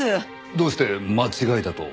どうして間違いだと？